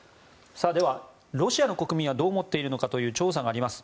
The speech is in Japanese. では、ロシアの国民はどう思っているのかという調査があります。